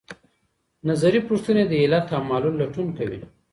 نظري پوښتنې د علت او معلول لټون کوي.